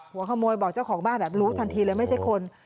หัวขโมยบอกเจ้าของบ้านแบบรู้ทันทีเลยไม่ใช่คน